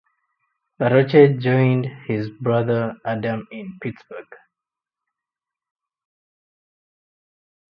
LaRoche joined his brother Adam in Pittsburgh.